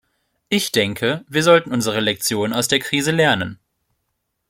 Ich denke, wir sollten unsere Lektion aus der Krise lernen.